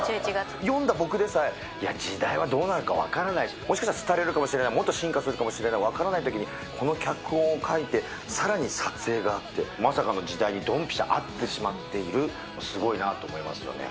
読んだ僕でさえ、時代はどうなるか分からない、もっと進化するかもしれない、分からないときにこの脚本を書いて、さらに撮影があって、まさかの時代にどんぴしゃ合ってしまっている、すごいなと思いますよね。